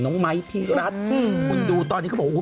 ไมค์พี่รัฐคุณดูตอนนี้เขาบอกว่า